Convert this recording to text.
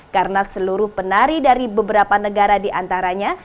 karena seluruh penari dari beberapa negara di antaranya